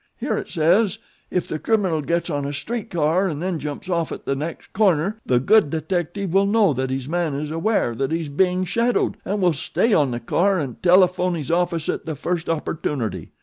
Here it says: 'If the criminal gets on a street car and then jumps off at the next corner the good detective will know that his man is aware that he is being shadowed, and will stay on the car and telephone his office at the first opportunity.'